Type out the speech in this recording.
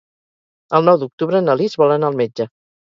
El nou d'octubre na Lis vol anar al metge.